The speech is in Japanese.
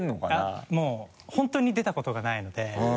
あっもう本当に出たことがないので。